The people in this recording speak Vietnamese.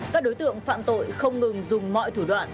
các đối tượng phạm tội không ngừng dùng mọi thủ đoạn